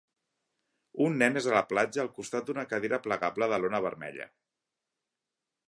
Un nen és a la platja al costat d'una cadira plegable de lona vermella.